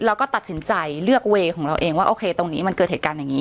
เราก็ตัดสินใจเลือกเวย์ของเราเองว่าโอเคตรงนี้มันเกิดเหตุการณ์อย่างนี้